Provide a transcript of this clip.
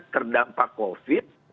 rakyat terdampak covid